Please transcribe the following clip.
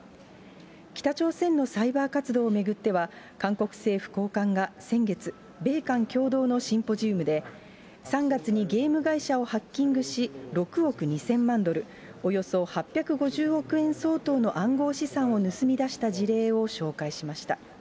北朝鮮のサイバー活動を巡っては、韓国政府高官が先月、米韓共同のシンポジウムで、３月にゲーム会社をハッキングし、６億２０００万ドル、およそ８５０億円相当の暗号資産を盗み出した事例を紹介しました。